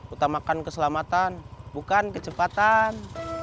utamakan keselamatan bukan kecepatan